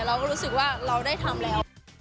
เราก็รู้สึกว่าเราได้ทำแล้ว